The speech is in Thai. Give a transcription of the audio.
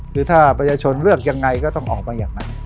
คือถ้าประชาชนเลือกยังไงก็ต้องออกมาอย่างนั้น